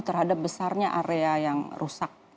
terhadap besarnya area yang rusak